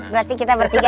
berarti kita bertiga ya